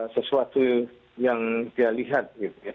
sesuatu yang dia lihat